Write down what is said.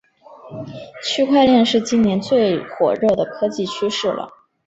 区块链是今年最火热的科技趋势了